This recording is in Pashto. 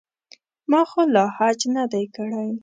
ما خو لا حج نه دی کړی.